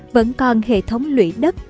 vẫn còn hệ thống lưỡi đất